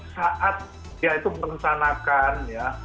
saat dia itu merencanakan ya